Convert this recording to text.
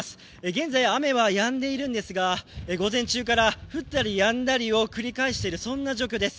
現在、雨はやんでいるんですが午前中から降ったりやんだりを繰り返しているそんな状況です。